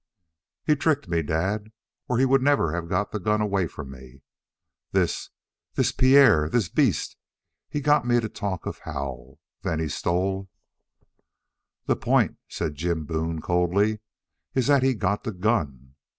"He tricked me, dad, or he would never have got the gun away from me. This this Pierre this beast he got me to talk of Hal. Then he stole " "The point," said Jim Boone coldly, "is that he got the gun.